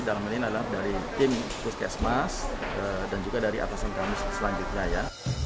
dalam hal ini adalah dari tim puskesmas dan juga dari atasan kami selanjutnya ya